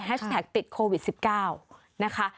ติดโควิด๑๙นะคะ